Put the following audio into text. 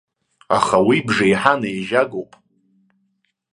Аха уи бжеиҳан еижьагоуп.